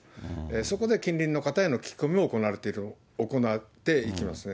そこで近隣の方への聞き込みも行っていきますね。